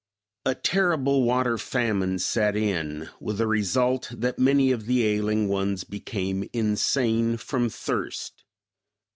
A terrible water famine set in, with the result that many of the ailing ones became insane from thirst.